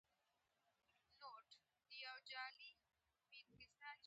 بوډۍ ماشوم وژغورلو او غونډل يې وواژه.